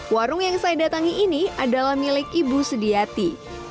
warung yang saya datangi ini adalah milik ibu sediati